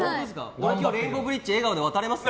俺今日レインボーブリッジ笑顔で渡れます？